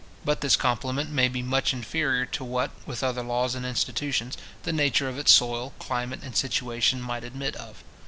But this complement may be much inferior to what, with other laws and institutions, the nature of its soil, climate, and situation, might admit of.